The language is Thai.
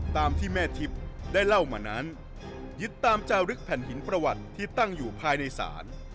ตามที่แม่ทิพย์ได้เล่ามานั้นยึดตามจารึกแผ่นหินประวัติที่ตั้งอยู่ภายในศาล